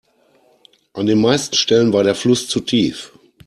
An den meisten Stellen war der Fluss zu tief.